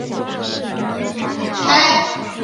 开始曲和结束曲同样采用了爱国歌。